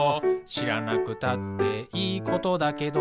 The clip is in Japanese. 「しらなくたっていいことだけど」